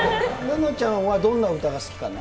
ののちゃんはどんなお歌が好きかな？